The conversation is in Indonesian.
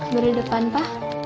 dari depan pak